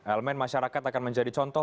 elemen masyarakat akan menjadi contoh